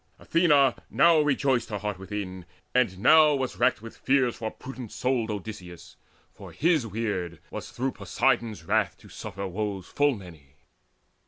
Athena now rejoiced Her heart within, and now was racked with fears For prudent souled Odysseus; for his weird Was through Poseidon's wrath to suffer woes Full many.